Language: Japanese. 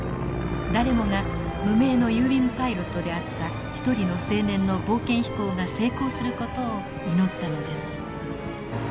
誰もが無名の郵便パイロットであった一人の青年の冒険飛行が成功する事を祈ったのです。